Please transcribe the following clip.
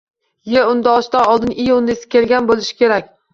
Y undoshidan oldin i unlisi kelgan boʻlishi kerak